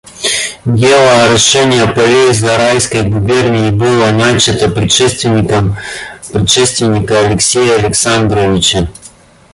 Дело орошения полей Зарайской губернии было начато предшественником предшественника Алексея Александровича.